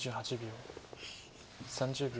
３０秒。